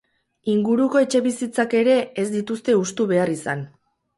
Inguruko etxebizitzak ere ez dituzte hustu behar izan.